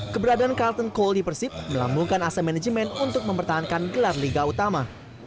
keberadaan carlton cole di persib melambungkan asem manajemen untuk mempertahankan gelar liga utama